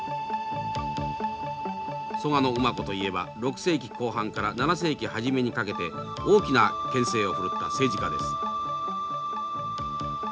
蘇我馬子といえば６世紀後半から７世紀初めにかけて大きな権勢を振るった政治家です。